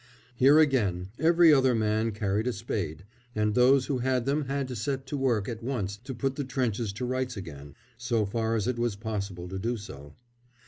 Here, again, every other man carried a spade, and those who had them had to set to work at once to put the trenches to rights again, as far as it was possible to do so.